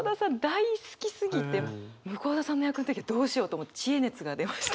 大好きすぎて向田さんの役の時どうしようと思って知恵熱が出ました。